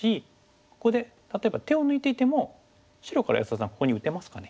ここで例えば手を抜いていても白から安田さんここに打てますかね？